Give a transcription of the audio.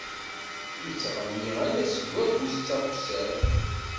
Ittɣenni ala seg agus d takessert.